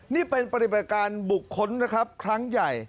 นี่เป็นปฏิบัติการบุคคลนะครับครั้งใหญ่